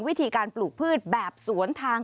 วิธีการปลูกพืชแบบสวนทาง